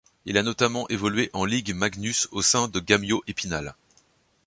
Il a notamment évolué en Ligue Magnus au sein des Gamyo Épinal.